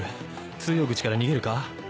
通用口から逃げるか？